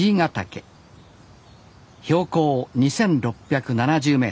標高２，６７０ｍ。